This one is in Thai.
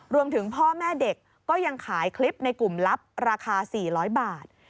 รวมถึงพ่อแม่เด็กก็ยังขายคลิปในกลุ่มลับราคา๔๐๐บาท